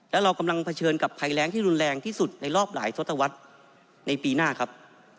และเรากำลังเผชิญกับภัยแรงที่รุนแรงที่สุดในรอบหลายทศตวรรษในปีหน้าครับ